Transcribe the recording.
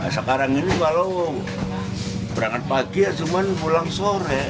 sekarang ini kalau berangkat pagi ya cuma pulang sore